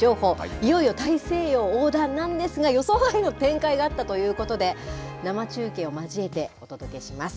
いよいよ大西洋横断なんですが、予想外の展開があったということで、生中継を交えてお届けします。